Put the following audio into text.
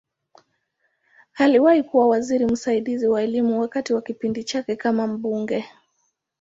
Aliwahi kuwa waziri msaidizi wa Elimu wakati wa kipindi chake kama mbunge.